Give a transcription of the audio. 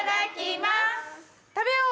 食べよう！